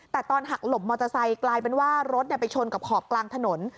แต่ตอนหักหลบมอเตอร์ไซค์กลายเป็นว่ารถไปชนกับขอบกลางถนน